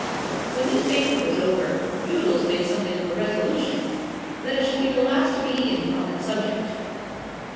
When this banquet was over, Doodles made something of a resolution that it should be the last to be eaten on that subject.